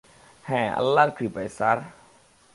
হ্যাঁ, আল্লাহর কৃপায়, স্যার।